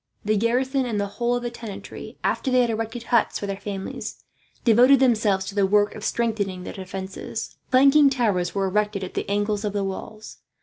The garrison and the whole of the tenantry, after they had erected huts for their families, devoted themselves to the work of strengthening the defences. Flanking towers were erected at the angles of the walls.